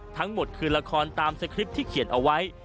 ทั้งหมดคือละครตามสคริปต์ที่เขียนเอาไว้